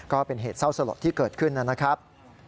ก็เป็นเหตุเศร้าสลดที่เกิดขึ้นนะครับ